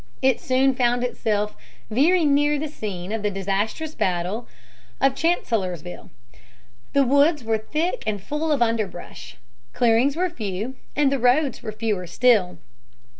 It soon found itself very near the scene of the disastrous battle of Chancellorsville (p. 335). The woods were thick and full of underbrush. Clearings were few, and the roads were fewer still.